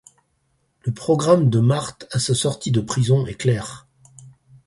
Le programme de Marthe à sa sortie de prison est clair.